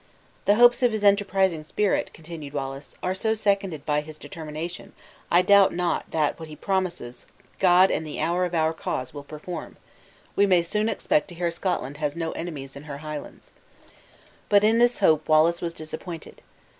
"The hopes of his enterprising spirit," continued Wallace, "are so seconded by his determination, I doubt not that what he promises, God and the justice of our cause will perform; and we may soon expect to hear Scotland has no enemies in her Highlands." But in this hope Wallace was disappointed.